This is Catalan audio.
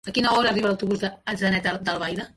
A quina hora arriba l'autobús d'Atzeneta d'Albaida?